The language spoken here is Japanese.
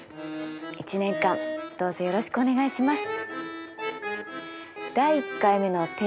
１年間どうぞよろしくお願いします。